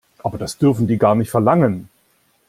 Aber das dürfen die gar nicht verlangen.